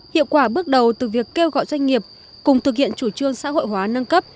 hiệu quả bước đầu từ việc kêu gọi doanh nghiệp cùng thực hiện chủ trương xã hội hóa nâng cấp